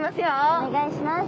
お願いします。